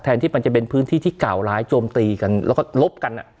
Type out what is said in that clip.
ที่มันจะเป็นพื้นที่ที่กล่าวร้ายโจมตีกันแล้วก็ลบกัน